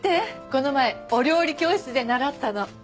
この前お料理教室で習ったの。